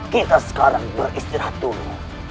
kita sekarang beristirahat dulu